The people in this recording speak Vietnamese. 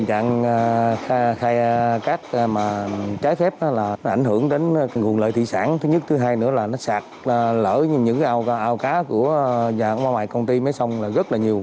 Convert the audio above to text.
cái mà trái phép là ảnh hưởng đến nguồn lợi thị sản thứ nhất thứ hai nữa là nó sạc lỡ những cái ao cá của nhà máy công ty mấy sông là rất là nhiều